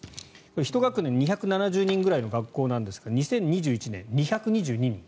１学年２７０人ぐらいいる学校ですが２０２１年、２２２人。